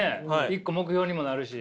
一個目標にもなるし。